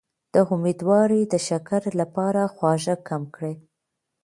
د امیدوارۍ د شکر لپاره خواږه کم کړئ